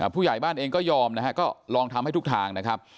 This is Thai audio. ผู้ใหญ่บ้านเองก็ยอมนะฮะก็ลองทำให้ทุกทางนะครับ